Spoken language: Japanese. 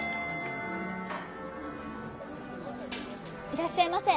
いらっしゃいませ。